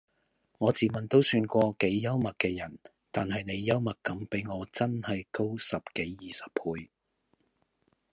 我自問都算個幾幽默既人但係你幽默感比我真係高十幾二十倍